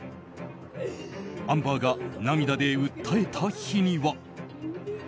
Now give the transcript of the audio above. アンバーが涙で訴えた日には。